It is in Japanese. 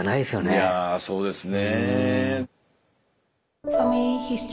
いやぁそうですね。